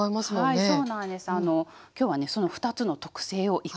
はい。